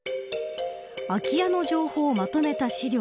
空き家の情報をまとめた資料。